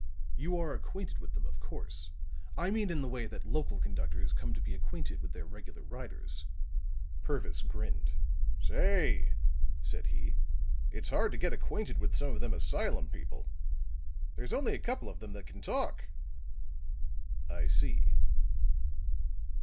"You are acquainted with them, of course. I mean in the way that local conductors come to be acquainted with their regular riders." Purvis grinned. "Say," said he. "It's hard to get acquainted with some of them asylum people. There's only a couple of them that can talk!" "I see."